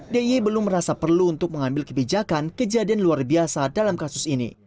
d i belum merasa perlu untuk mengambil kebijakan kejadian luar biasa dalam kasus ini